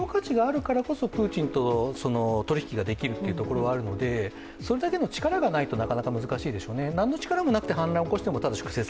結局利用価値があるからこそ、プーチンと取引ができるというところがあると思うのでそれだけの力がないとなかなか難しいでしょうね。